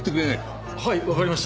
はいわかりました。